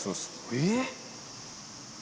えっ？